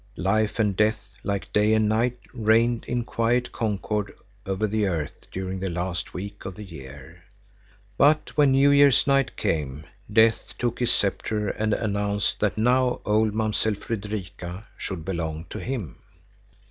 Life and death, like day and night, reigned in quiet concord over the earth during the last week of the year, but when New Year's night came, Death took his sceptre and announced that now old Mamsell Fredrika should belong to him.